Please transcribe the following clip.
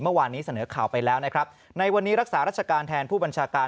เมื่อวานนี้เสนอข่าวไปแล้วนะครับในวันนี้รักษารัชการแทนผู้บัญชาการ